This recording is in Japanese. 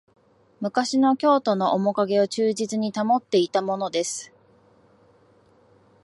昔の京都のおもかげを忠実に保っていたものです